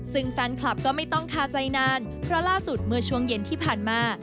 ซึ่งแฟนคลับก็ไม่ต้องคาใจนานเพราะล่าสุดเมื่อช่วงเย็นที่ผ่านมา